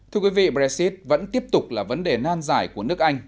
thưa quý vị brexit vẫn tiếp tục là vấn đề nan giải của nước anh